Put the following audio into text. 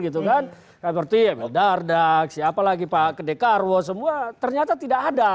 seperti dardak siapa lagi pak kedekarwo semua ternyata tidak ada